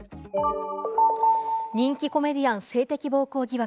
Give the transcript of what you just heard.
人気コメディアン性的暴行疑惑。